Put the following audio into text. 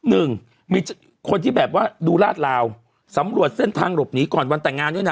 หนึ่งมีคนที่แบบว่าดูลาดลาวสำรวจเส้นทางหลบหนีก่อนวันแต่งงานด้วยนะ